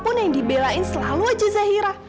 apapun yang dibelain selalu aja zahira